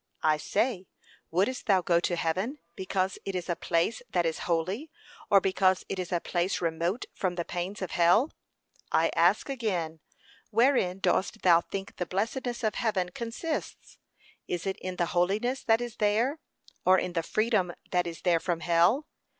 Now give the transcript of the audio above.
I say, wouldst thou go to heaven, because it is a place that is holy, or because it is a place remote from the pains of hell? I ask again, wherein dost thou think the blessedness of heaven consists? is it in the holiness that is there, or in the freedom that is there from hell?